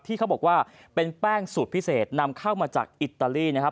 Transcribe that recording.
เขาบอกว่าเป็นแป้งสูตรพิเศษนำเข้ามาจากอิตาลีนะครับ